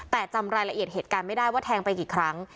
แต่จำรายละเอียดเหตุการณ์ไม่ได้ว่าแทงไปกี่ครั้ง